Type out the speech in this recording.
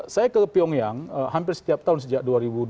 saya ke pyongyang hampir setiap tahun sejak dua ribu dua belas